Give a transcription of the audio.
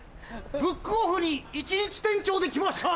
ブックオフに一日店長で来ました！